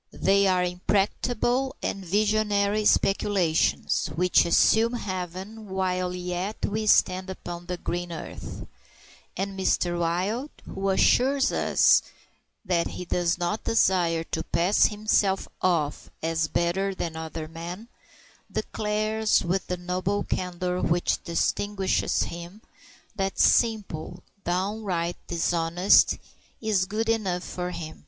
They are impracticable and visionary speculations, which assume heaven while yet we stand upon the green earth; and Mr. Wild, who assures us that he does not desire to pass himself off as better than other men, declares, with the noble candor which distinguishes him, that simple, downright dishonesty is good enough for him.